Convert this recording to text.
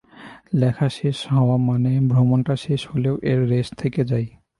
লেখা শেষ হওয়া মানে ভ্রমণটা শেষ হলেও এর রেশ থেকে যায়।